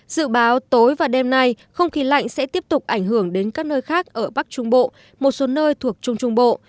dự báo tối và đêm nay không khí lạnh sẽ tiếp tục ảnh hưởng đến các nơi khác ở bắc trung bộ một số nơi thuộc trung trung bộ